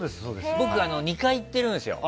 僕、２回行ってるんですよ。